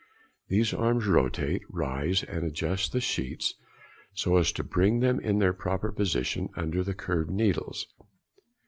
These arms rotate, rise, and adjust the sheets, so as to bring them in their proper position under the curved needles.